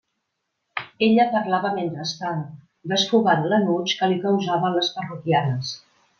Ella parlava mentrestant, desfogant l'enuig que li causaven les parroquianes.